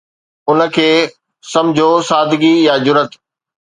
ان کي سمجهو سادگي يا جرئت.